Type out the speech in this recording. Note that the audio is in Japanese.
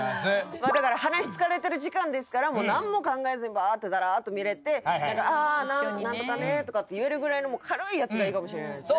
まあだから話し疲れてる時間ですからもう何も考えずにバーッとダラっと見れて「あ何とかね」とかって言えるぐらいの軽いやつがいいかもしれないですね。